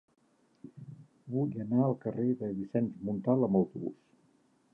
Vull anar al carrer de Vicenç Montal amb autobús.